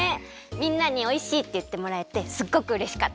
みんなにおいしいっていってもらえてすっごくうれしかった。